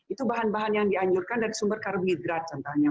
itu bahan bahan yang dianjurkan dari sumber karbohidrat contohnya